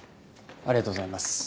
ありがとうございます。